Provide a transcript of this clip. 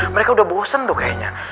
mereka udah bosen tuh kayaknya